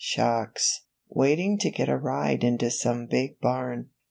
145 shocks, waiting to get a ride into some big barn.